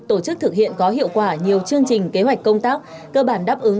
tổ chức thực hiện có hiệu quả nhiều chương trình kế hoạch công tác cơ bản đáp ứng